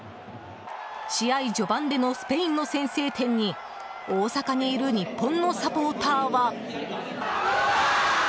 試合序盤でのスペインの先制点に大阪にいる日本のサポーターは。